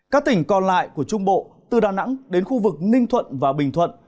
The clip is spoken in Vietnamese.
các tỉnh còn lại của trung bộ từ đà nẵng đến khu vực ninh thuận và bình thuận